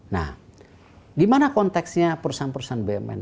nah gimana konteksnya perusahaan perusahaan bumn